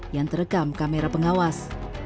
yang terekam kamera pengawas